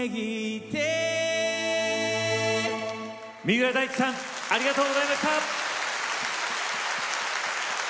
三浦大知さんありがとうございました。